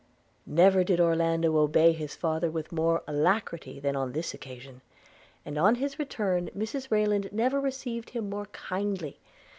Never did Orlando obey his father with more alacrity than on this occasion; and on his return Mrs Rayland never received him more kindly.